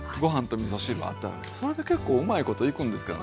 それで結構うまいこといくんですけども。